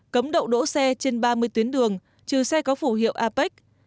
cấm đậu đỗ xe trên ba mươi tuyến đường trừ xe có phủ hiệu apec